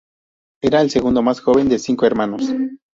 Era el segundo más joven de cinco hermanos.